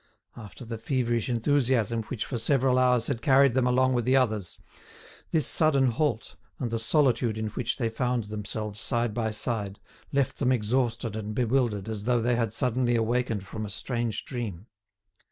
After the feverish enthusiasm which for several hours had carried them along with the others, this sudden halt and the solitude in which they found themselves side by side left them exhausted and bewildered as though they had suddenly awakened from a strange dream.